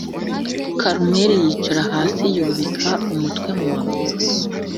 Karumeli yicara hasi yubika umutwe mu maguru